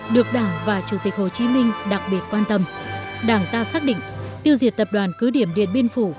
được đảng và chủ tịch hồ chí minh đặc biệt quan tâm đảng ta xác định tiêu diệt tập đoàn cứ điểm điện biên phủ